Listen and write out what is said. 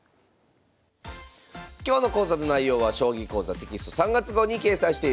今日の講座の内容は「将棋講座」テキスト３月号に掲載しています。